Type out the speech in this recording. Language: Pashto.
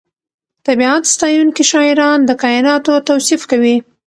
طبیعت ستایونکي شاعران د کائناتو توصیف کوي.